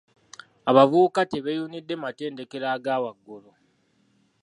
Abavubuka tebeeyunidde matendekero aga waggulu.